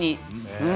うん。